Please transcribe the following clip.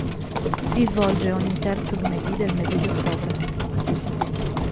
Si svolge ogni terzo lunedì del mese di ottobre.